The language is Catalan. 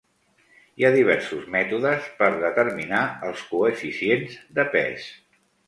Hi ha diversos mètodes per determinar els coeficients de pes.